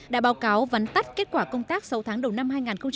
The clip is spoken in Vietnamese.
đã báo cáo vắn tắt kết quả công tác sáu tháng đầu năm hai nghìn một mươi bảy